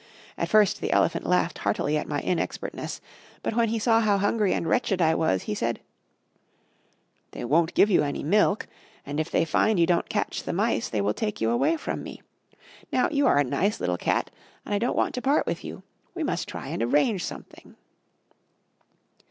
At first the elephant laughed heartily at my inexpertness; but when he saw how hungry and wretched I was, he said "They won't give you any milk, and if they find you don't catch the mice they will take you away from me. Now you are a nice little cat, and I don't want to part with you. We must try and arrange something."